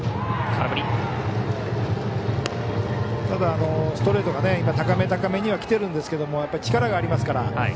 ただ、ストレートが高め、高めにはきているんですけど力がありますから。